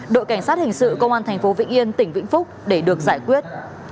đội cảnh sát hình sự công an tp vĩnh yên tỉnh vĩnh phúc để được giải quyết